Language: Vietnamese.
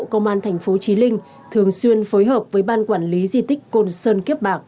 công an thành phố trí linh thường xuyên phối hợp với ban quản lý di tích côn sơn kiếp bạc